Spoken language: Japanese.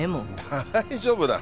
大丈夫だ。